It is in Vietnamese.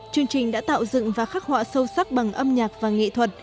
chương trình đã tạo dựng và khắc họa sâu sắc bằng âm nhạc và nghệ thuật